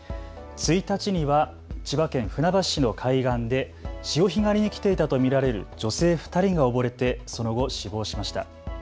１日には千葉県船橋市の海岸で潮干狩りに来ていたと見られる女性２人が溺れてその後、死亡しました。